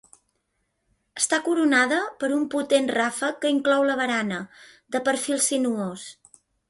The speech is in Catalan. Està coronada per un potent ràfec que inclou la barana, de perfil sinuós.